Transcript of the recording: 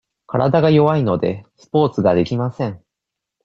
体が弱いので、スポーツができません。